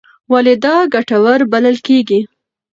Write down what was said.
ولې دا ګټور بلل کېږي؟